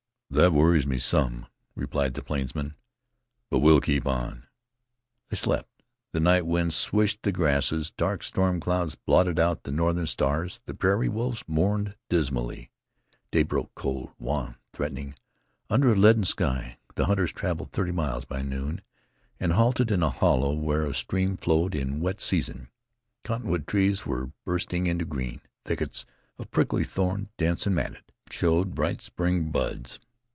"That worries me some," replied the plainsman, "but we'll keep on it." They slept. The night wind swished the grasses; dark storm clouds blotted out the northern stars; the prairie wolves mourned dismally. Day broke cold, wan, threatening, under a leaden sky. The hunters traveled thirty miles by noon, and halted in a hollow where a stream flowed in wet season. Cottonwood trees were bursting into green; thickets of prickly thorn, dense and matted, showed bright spring buds.